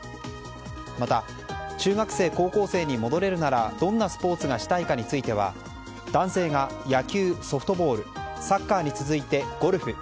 また、中学生高校生に戻れるならどんなスポーツがしたいかについては男性が野球・ソフトボールサッカーに続いてゴルフ。